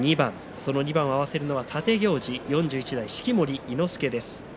その２番を合わせるのは立行司４１代式守伊之助です。